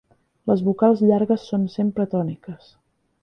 Les vocals llargues són sempre tòniques.